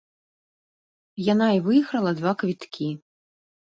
Яна і выйграла два квіткі.